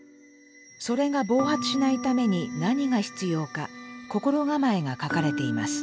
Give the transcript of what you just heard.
それが暴発しないために何が必要か心構えが書かれています。